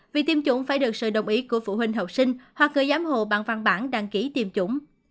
vì tiêm chủng phải được sự đồng ý của phụ huynh học sinh hoặc người giám hồ bằng văn bản đăng ký tiêm chủng